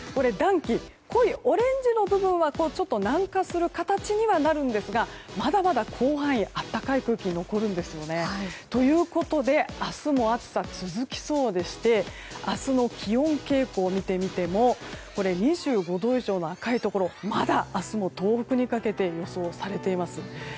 暖気、濃いオレンジの部分は南下する形にはなるんですがまだまだ広範囲で暖かい空気が残るんですね。ということで明日も暑さ続きそうでして明日の気温傾向を見てみても２５度以上の赤いところまだ明日も東北にかけて予想されています。